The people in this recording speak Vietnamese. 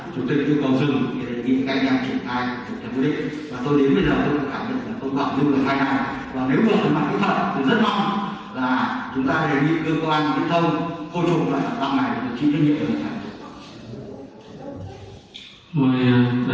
chủ tịch hà nội bị cáo nguyễn văn tứ ông trung bằng miệng tại hành lang ủy ban vào chiều cuối tháng bảy năm hai nghìn một mươi sáu